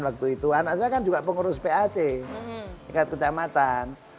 waktu itu anak saya kan juga pengurus pac tingkat kecamatan